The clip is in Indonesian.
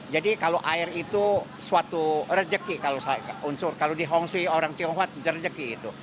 jadi kalau air itu suatu rejeki kalau di hongsui orang tionghoa itu rejeki